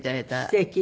すてき。